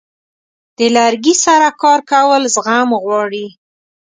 د لرګي سره کار کول زغم غواړي.